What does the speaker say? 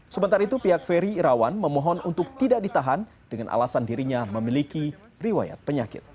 sementara itu pihak ferry irawan memohon untuk tidak ditahan dengan alasan dirinya memiliki riwayat penyakit